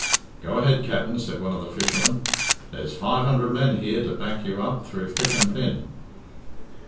"Go ahead, Capt'n," said one of the fishermen; "there's five hundred men here to back you up through thick and thin."